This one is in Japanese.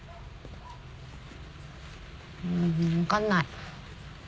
うん分かんない。